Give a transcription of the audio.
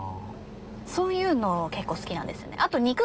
そういうの結構好きなんですよねアト。